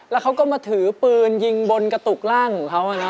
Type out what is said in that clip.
แล้วเขาก็มาถือปืนยิงบนกระตุกร่างของเขา